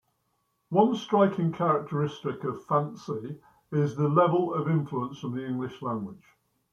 One striking characteristic of Fantse is the level of influence from the English language.